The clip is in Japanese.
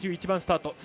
２１番スタート。